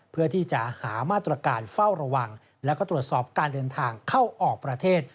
เพื่อที่จะหามาตรการเฝ้าระวังแล้วก็ตรวจสอบการเดินทางเข้าออกประเทศ